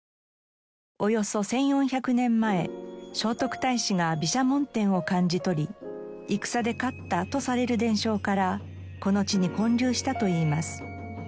およそ１４００年前聖徳太子が毘沙門天を感じ取り戦で勝ったとされる伝承からこの地に建立したといいます。